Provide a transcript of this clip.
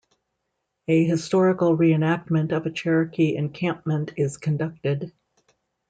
A historical reenactment of a Cherokee encampment is conducted.